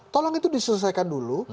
tolong itu diselesaikan dulu